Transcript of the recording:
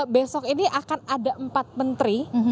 besok ini akan ada empat menteri